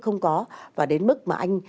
không có và đến mức mà anh